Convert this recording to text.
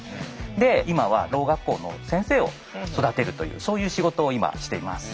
で今はろう学校の先生を育てるというそういう仕事を今しています。